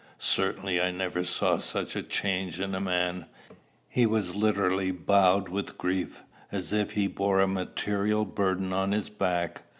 Certainly I never saw such a change in a man. He was literally bowed with grief, as if he bore a material burden on his back.